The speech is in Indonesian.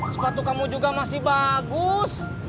sepatu kamu juga masih bagus